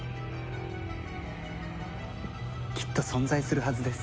きっと存在するはずです。